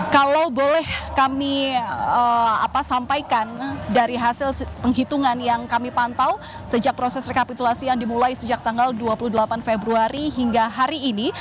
kalau boleh kami sampaikan dari hasil penghitungan yang kami pantau sejak proses rekapitulasi yang dimulai sejak tanggal dua puluh delapan februari hingga hari ini